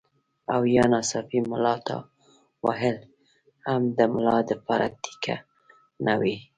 او يا ناڅاپي ملا تاوهل هم د ملا د پاره ټيک نۀ وي